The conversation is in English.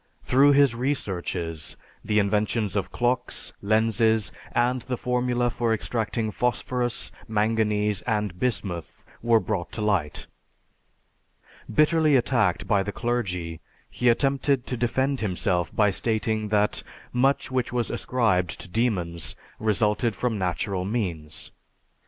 Through his researches the inventions of clocks, lenses, and the formula for extracting phosphorus, manganese, and bismuth were brought to light. Bitterly attacked by the clergy, he attempted to defend himself by stating that much which was ascribed to demons resulted from natural means.